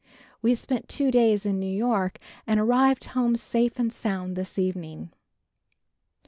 We spent two days in New York and arrived home safe and sound this evening.